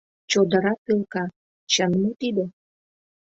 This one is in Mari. Чодыра пӧлка, чын мо тиде?